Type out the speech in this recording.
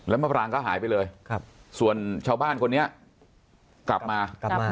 แล้วมะปังก็หายไปเลยส่วนชาวบ้านคนนี้กลับมา